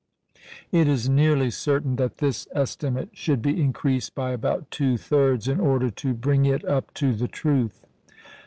It is nearly certain that this estimate should be increased by about two thirds in order to bring it up to the truth.